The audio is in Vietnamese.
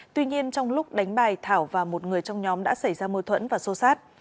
tuy nhiên trong lúc đánh bài thảo và một người trong nhóm đã xảy ra mâu thuẫn và xô xát